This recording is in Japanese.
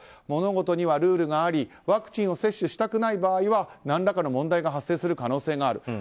物事にはルールがありワクチンを接種したくない場合何らかの問題が発生する可能性がある。